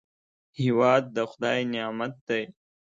هېواد د خدای نعمت دی